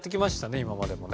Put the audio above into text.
今までもね。